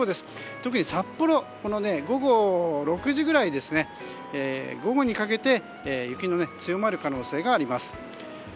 特に札幌、午後６時くらい午後にかけて雪の強まる可能性があります。